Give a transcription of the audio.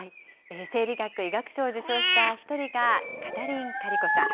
生理学・医学賞を受賞した１人がカタリン・カリコさん。